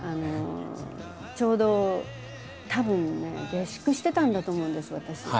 ちょうどたぶんね下宿してたんだと思うんです私。